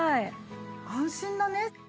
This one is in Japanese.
安心だね。